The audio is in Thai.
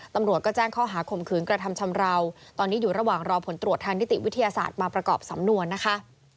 ตำรวจก็แจ้งข้อหาข่มขืนกระทำชำราวตอนนี้อยู่ระหว่างรอผลตรวจทางนิติวิทยาศาสตร์มาประกอบสำนวนนะคะ